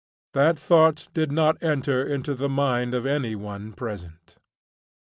That thought did not enter into the mind of any one present.